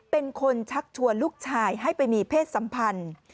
เป็นคนชักชวนลูกชายให้ไปมีเพศสัมพันธ์